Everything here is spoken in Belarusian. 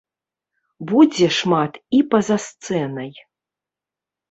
Будзе шмат і па-за сцэнай.